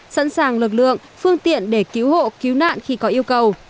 sẵn sàng lực lượng phương tiện để cứu hộ cứu nạn khi có yêu cầu